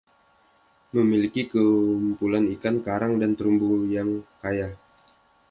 Memiliki kumpulan ikan karang dan terumbu yang kaya.